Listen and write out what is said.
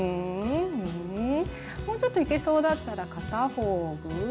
もうちょっといけそうだったら片方ぐうわ。